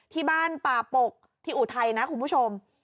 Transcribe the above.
ที่บ้านป่าปกที่อุทัยนะคุณผู้ชม